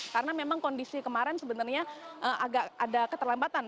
karena memang kondisi kemarin sebenarnya agak ada keterlambatan